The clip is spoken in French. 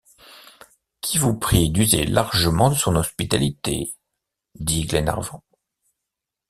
Qui vous prie d’user largement de son hospitalité, dit Glenarvan.